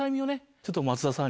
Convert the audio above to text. ちょっと松田さんに。